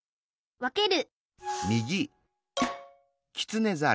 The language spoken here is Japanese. わける